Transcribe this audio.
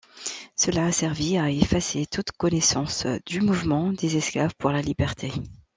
Cela a servi à effacer toute connaissance du mouvement des esclaves pour la liberté.